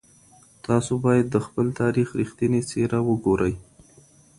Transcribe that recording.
تاسو بايد د خپل تاريخ رښتينې څېره وګورئ.